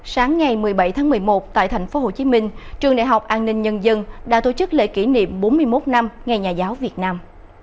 sáng ngày một mươi bảy tháng một mươi một tại thành phố hồ chí minh trường đại học an ninh nhân dân đã tổ chức lễ kỷ niệm bốn mươi một năm ngày nhà giáo việt nam